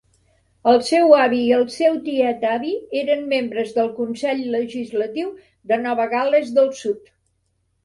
El seu avi i tel seu tiet-avi eren membres del Consell Legislatiu de Nova Gal·les del Sud.